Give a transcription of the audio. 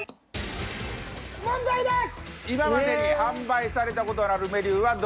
問題です！